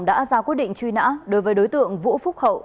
đã ra quyết định truy nã đối với đối tượng vũ phúc hậu